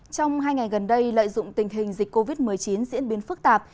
trong hai ngày gần đây lợi dụng tình hình dịch covid một mươi chín diễn biến phức tạp